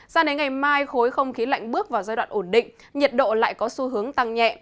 sao đến ngày mai khối không khí lạnh bước vào giai đoạn ổn định nhiệt độ lại có xu hướng tăng nhẹ